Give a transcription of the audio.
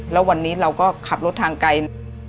แล้ววันนี้เราก็ขับรถทางไกล